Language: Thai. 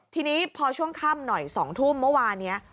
ทีนี้พอช่วงค่ำหน่อย๒ทุ่มเมื่อวานนี้